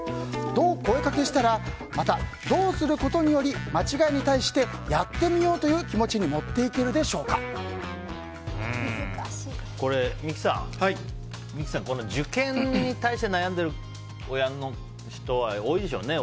どう声掛けしたらまた、どうすることにより間違いに対してやってみようという気持ちにこれ、三木さん受験に対して悩んでる親の人は多いでしょうね。